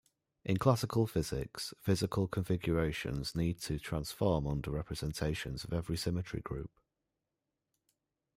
In classical physics, physical configurations need to transform under representations of every symmetry group.